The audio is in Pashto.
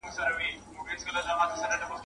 زاهده زړه مي له نفرته صبرولای نه سم ..